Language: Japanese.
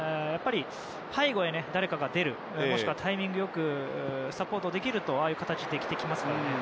背後へ誰かが出るもしくはタイミング良くサポートできるとああいう形はできてきますね。